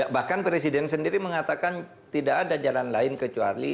bahkan presiden sendiri mengatakan tidak ada jalan lain kecuali